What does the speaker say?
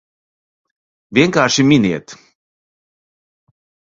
Vienkārši miniet!